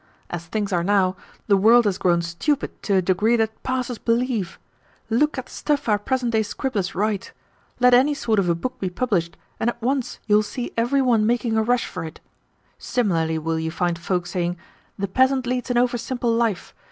As things are now, the world has grown stupid to a degree that passes belief. Look at the stuff our present day scribblers write! Let any sort of a book be published, and at once you will see every one making a rush for it. Similarly will you find folk saying: 'The peasant leads an over simple life.